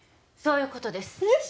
そういうことですよ